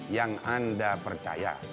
yang anda percaya